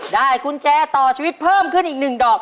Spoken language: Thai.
กุญแจต่อชีวิตเพิ่มขึ้นอีก๑ดอก